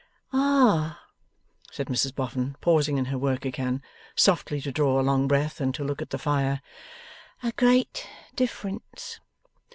'Ah!' said Mrs Boffin, pausing in her work again, softly to draw a long breath and to look at the fire. 'A great difference.